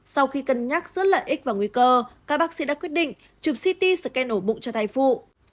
sau khi cân nhắc rất lợi ích và nguy cơ các bác sĩ đã quyết định chụp ct scan ổ bụng cho thai phụ